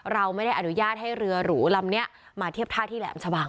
เราไม่ได้อนุญาตให้เรือหรูลำนี้มาเทียบท่าที่แหลมชะบัง